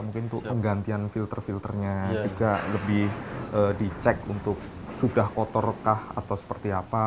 mungkin untuk penggantian filter filternya juga lebih dicek untuk sudah kotorkah atau seperti apa